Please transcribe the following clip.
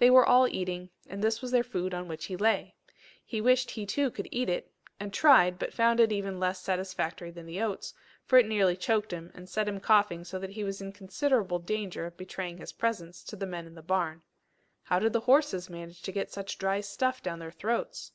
They were all eating, and this was their food on which he lay! He wished he too could eat it and tried, but found it even less satisfactory than the oats, for it nearly choked him, and set him coughing so that he was in considerable danger of betraying his presence to the men in the barn. How did the horses manage to get such dry stuff down their throats?